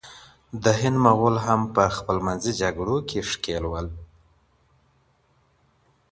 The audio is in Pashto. د هند مغل هم په خپلمنځي جګړو کې ښکېل ول.